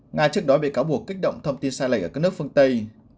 nga trước đó bị cáo buộc kích động thông tin sai lệch ở các nước phương tây